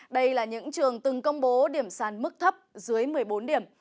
đây là những trường từng công bố điểm sàn mức thấp dưới một mươi bốn điểm